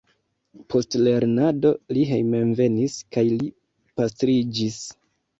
Post lernado li hejmenvenis kaj li pastriĝis.